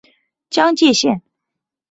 江界线